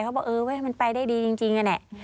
เขาก็เลยไม่ได้คิดอะไรเขาบอกว่าเออมันไปได้ดีจริงนี่แหละ